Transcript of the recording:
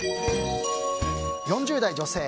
４０代女性。